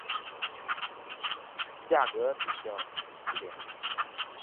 价格比较低廉。